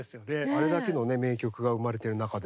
あれだけのね名曲が生まれてる中で。